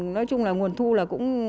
nói chung là nguồn thu là cũng